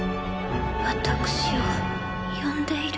私を呼んでいる。